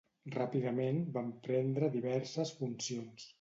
Ràpidament van prendre diverses funcions.